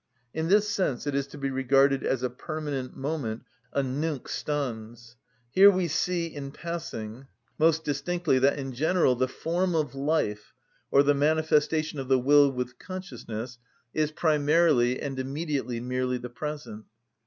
In this sense it is to be regarded as a permanent moment, a Nunc stans. Here we see, in passing, most distinctly that in general the form of life, or the manifestation of the will with consciousness, is primarily and immediately merely the present.